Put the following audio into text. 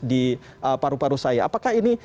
di paru paru saya apakah ini